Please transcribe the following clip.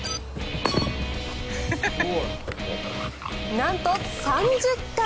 なんと、３０回。